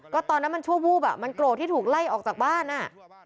ก็ตอนนั้นมันชั่ววูบอ่ะมันโกรธที่ถูกไล่ออกจากบ้านอ่ะ